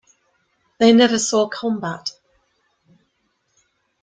They never saw combat.